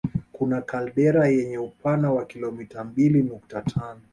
Kuna kaldera yenye upana wa kilomita mbili nukta tano